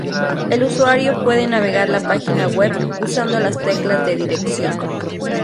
El usuario puede navegar la página web usando las teclas de dirección.